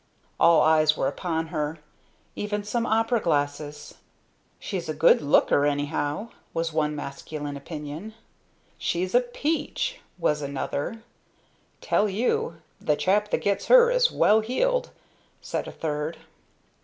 All eyes were upon her even some opera glasses. "She's a good looker anyhow," was one masculine opinion. "She's a peach," was another, "Tell you the chap that gets her is well heeled!" said a third.